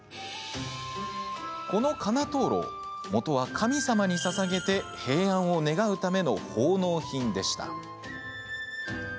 この金灯籠もとは神様にささげて平安を願うための奉納品でした。